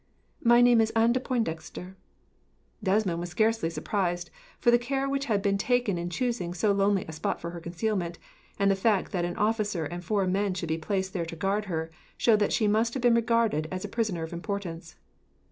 "My name is Anne de Pointdexter." Desmond was scarcely surprised, for the care which had been taken in choosing so lonely a spot for her concealment, and the fact that an officer and four men should be placed there to guard her, showed that she must have been regarded as a prisoner of importance.